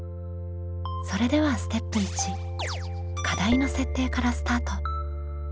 それではステップ１課題の設定からスタート。